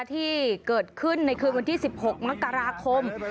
ที่เกิดขึ้นในคืนวันที่๑๖มกราคม